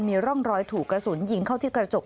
มีร่องรอยถูกกระสุนยิงเข้าที่กระจก